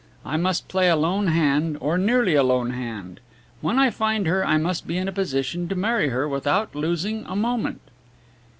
I must play a lone hand, or nearly a lone hand. When I find her I must be in a position to marry her without losing a moment."